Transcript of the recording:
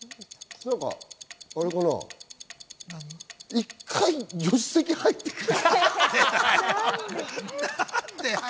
１回、助手席入って来る。